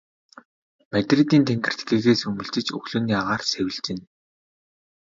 Мадридын тэнгэрт гэгээ сүүмэлзэж өглөөний агаар сэвэлзэнэ.